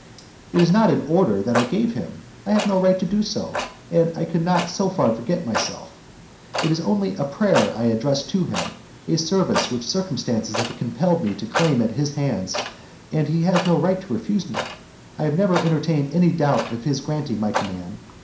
"It is not an order that I gave him; I have no right to do so, and I could not so far forget myself; it is only a prayer I addressed to him, a service which circumstances have compelled me to claim at his hands, and as he has no right to refuse me, I never entertained any doubt of his granting my command.